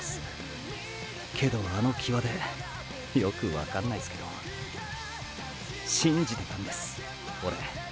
けどあの際でよく分かんないすけど信じてたんですオレ。